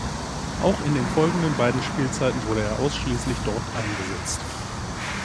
Auch in den folgenden beiden Spielzeiten wurde er ausschließlich dort eingesetzt.